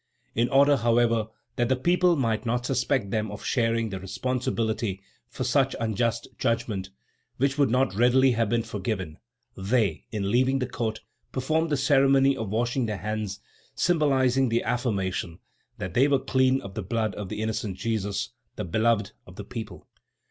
In order, however, that the people might not suspect them of sharing the responsibility for such unjust judgment, which would not readily have been forgiven, they, in leaving the court, performed the ceremony of washing their hands, symbolizing the affirmation that they were clean of the blood of the innocent Jesus, the beloved of the people.